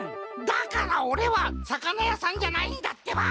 だからオレは魚屋さんじゃないんだってば！